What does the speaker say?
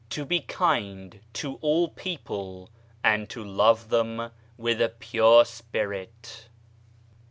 " To be kind to all people, and to love them with a pure spirit.